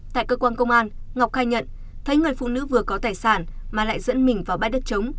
tại cơ quan công an ngọc khai nhận thấy người phụ nữ vừa có tài sản mà lại dẫn mình vào bãi đất trống